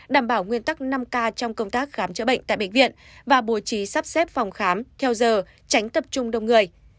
đảm bảo nguyên tắc năm k trong công tác khám chữa bệnh tại bệnh viện và bố trí sắp xếp phòng khám theo giờ tránh tập trung đông người